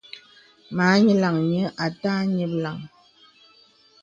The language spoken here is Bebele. Mâ ǹyilaŋ nyə̀ à tâ ǹyìplàŋ.